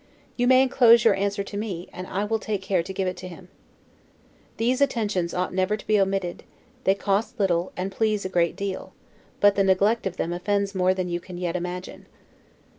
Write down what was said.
You may inclose your answer to me, and I will take care to give it him. Those attentions ought never to be omitted; they cost little, and please a great deal; but the neglect of them offends more than you can yet imagine.